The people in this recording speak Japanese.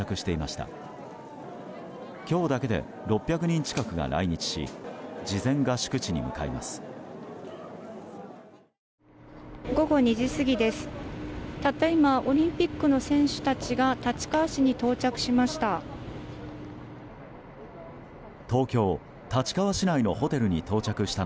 たった今オリンピックの選手たちが立川市に到着しました。